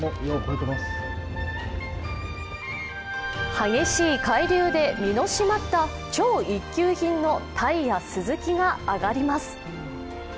激しい海流で身の締まった超一級品のタイやスズキが揚がります。